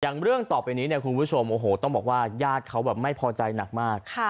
อย่างเรื่องต่อไปนี้คุณผู้ชมต้องบอกว่าญาติเขาไม่พอใจหนักมาก